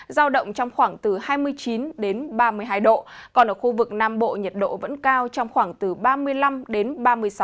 giao động trong khoảng từ hai mươi chín đến ba mươi hai độ còn ở khu vực nam bộ nhiệt độ vẫn cao trong khoảng từ ba mươi năm đến ba mươi sáu độ